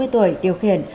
bốn mươi tuổi điều khiển